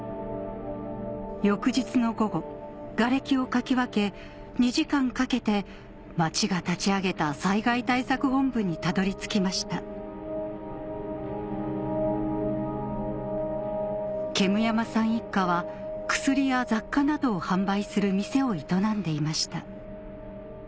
翌日の午後がれきをかき分け２時間かけて町が立ち上げた災害対策本部にたどり着きました煙山さん一家は薬や雑貨などを販売する店を営んでいました